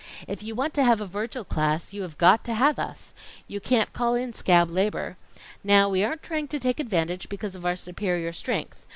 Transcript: If you want to have a Virgil class, you have got to have us. You can't call in scab labor. Now, we aren't trying to take advantage because of our superior strength.